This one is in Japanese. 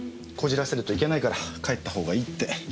こじらせるといけないから帰ったほうがいいって。